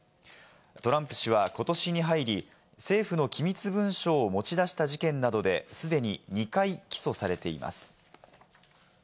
トランプ氏はことしに入り、政府の機密文書を持ち出した事件などで既に２回起訴されています。